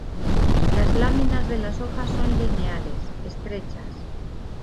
Las láminas de las hojas son lineales; estrechas.